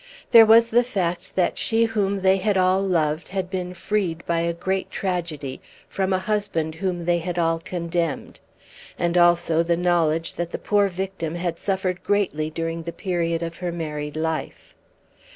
There was the fact that she whom they had all loved had been freed by a great tragedy from the husband whom they had all condemned, and also the knowledge that the poor victim had suffered greatly during the period of her married life.